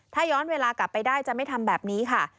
ถ้าย้อนเวลากลับไปได้จะไม่ทำแบบนี้ค่ะ